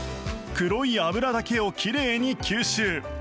黒い油だけを奇麗に吸収。